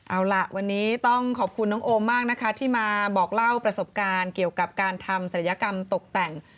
เอาล่ะวันนี้ต้องขอบคุณน้องโอมมากนะคะที่มาบอกเล่าประสบการณ์เกี่ยวกับการทำศัลยกรรมตกแต่ง